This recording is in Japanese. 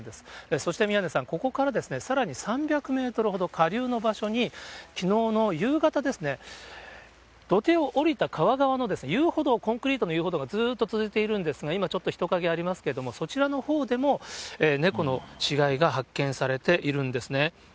そして宮根さん、ここからさらに３００メートルほど下流の場所に、きのうの夕方ですね、土手を下りた川側の遊歩道、コンクリートの遊歩道、ずっと続いているんですが、今ちょっと人影ありますけれども、そちらのほうでも、猫の死骸が発見されているんですね。